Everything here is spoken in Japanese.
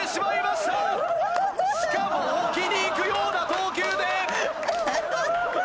しかも置きにいくような投球で。